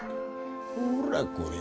ほらこれや。